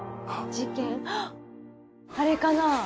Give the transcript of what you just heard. あれかな？